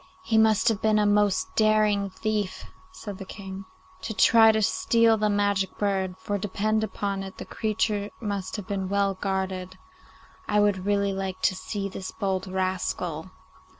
'He must have been a most daring thief,' said the King, 'to try and steal the magic bird, for depend upon it the creature must have been well guarded. I would really like to see this bold rascal.